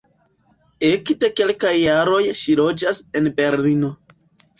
Ekde kelkaj jaroj ŝi loĝas en Berlino.